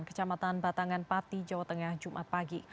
kecamatan batangan pati jawa tengah jumat pagi